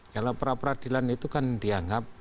kalau peradilan itu kan dianggap